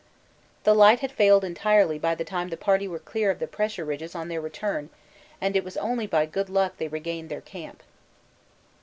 The light had failed entirely by the time the party were clear of the pressure ridges on their return, and it was only by good luck they regained their camp.